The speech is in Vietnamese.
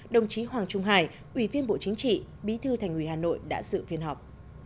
đồng chí hoàng trung hải ủy viên bộ chính trị bí thư thành ủy hà nội đã dự phiên họp